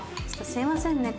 すいませんね